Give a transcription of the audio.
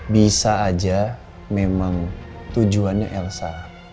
bisa aja memang tujuannya elsa